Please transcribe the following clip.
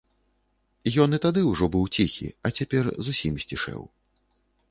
Ён і тады ўжо быў ціхі, а цяпер зусім сцішэў.